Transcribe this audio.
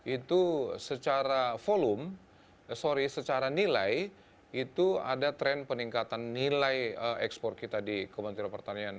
itu secara volume sorry secara nilai itu ada tren peningkatan nilai ekspor kita di kementerian pertanian